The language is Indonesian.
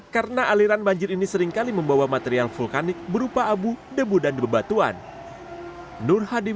karena aliran banjir ini seringkali membawa material vulkanik berupa abu debu dan bebatuan